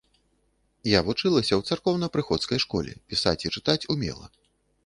Я вучылася ў царкоўнапрыходскай школе, пісаць і чытаць умела.